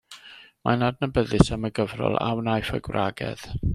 Mae'n adnabyddus am y gyfrol A Wnaiff y Gwragedd...?